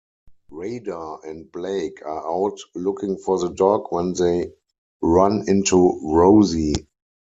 Radar and Blake are out looking for the dog when they run into Rosie.